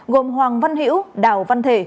gồm hoàng văn hữu đào văn thể